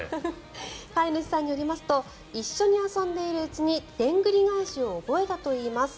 飼い主さんによりますと一緒に遊んでいるうちにでんぐり返しを覚えたといいます。